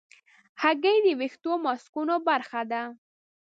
هګۍ د ویښتو ماسکونو برخه ده.